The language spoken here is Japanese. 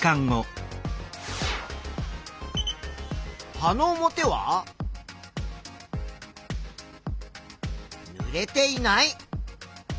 葉の表はぬれていない。